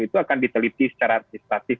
itu akan diteliti secara administratif